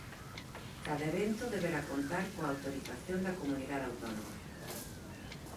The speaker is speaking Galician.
Cada evento deberá contar coa autorización da comunidade autónoma.